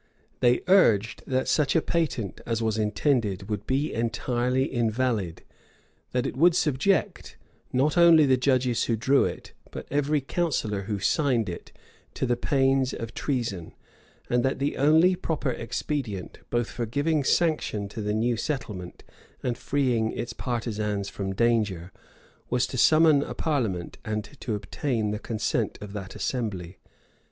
They urged, that such a patent as was intended would be entirely invalid; that it would subject, not only the judges who drew it, but every counsellor who signed it, to the pains of treason; and that the only proper expedient, both for giving sanction to the new settlement, and freeing its partisans from danger, was to summon a parliament, and to obtain the consent of that assembly.